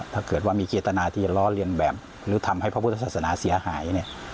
ถ้าเกิดว่ามีเจตนาที่จะล้อเลียนแบบหรือทำให้พระพุทธศาสนาเสียหายเนี่ย